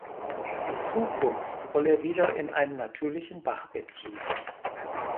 In Zukunft soll er wieder in einem natürlichen Bachbett fließen.